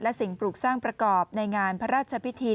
และสิ่งปลูกสร้างประกอบในงานพระราชพิธี